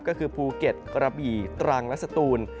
ก็คือภูเก็ตกระบี่ตรังและสตูน